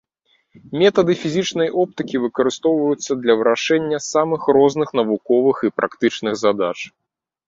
Метады фізічнай оптыкі выкарыстоўваюцца для вырашэння самых розных навуковых і практычных задач.